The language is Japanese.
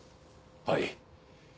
はい。